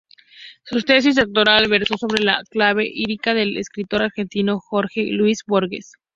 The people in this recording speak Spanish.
Su tesis doctoral versó sobre la clave lírica del escritor argentino Jorge Luis Borges.